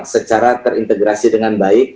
secara terintegrasi dengan baik